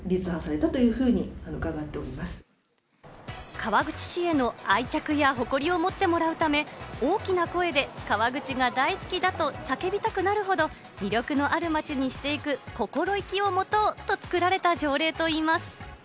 川口市への愛着や誇りを持ってもらうため、大きな声で「川口が大好きだ」と叫びたくなるほど魅力のある街にしていく心意気を持とうと作られた条例といいます。